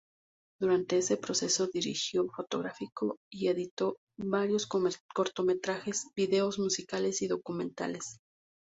Durante ese proceso dirigió, fotografió y editó varios cortometrajes, videos musicales y documentales.